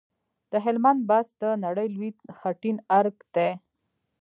د هلمند بست د نړۍ لوی خټین ارک دی